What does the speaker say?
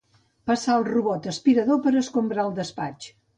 Passar el robot aspirador per escombrar el despatx.